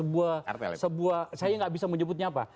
sebuah saya nggak bisa menyebutnya apa